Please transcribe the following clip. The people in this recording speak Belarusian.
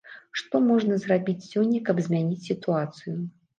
Што можна зрабіць сёння, каб змяніць сітуацыю?